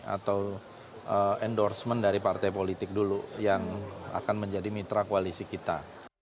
atau endorsement dari partai politik dulu yang akan menjadi mitra koalisi kita